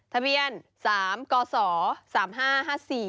ทะเปียน๓กอศ๓๕๕๔